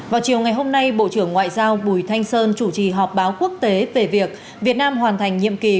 vào chiều ngày hôm nay bộ trưởng ngoại giao bùi thanh sơn chủ trì họp báo quốc tế về việc việt nam hoàn thành nhiệm kỳ